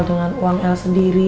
dengan uang el sendiri